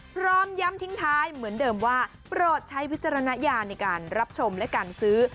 พร้อมย้ำทิ้งท้ายเหมือนเดิมว่าโปรดใช้วิจารณญาณในการรับชมและการซื้อ